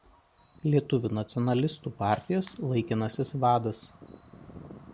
Lietuvių nacionalistų partijos laikinasis vadas.